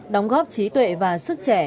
đóng góp trí tuệ và sức trẻ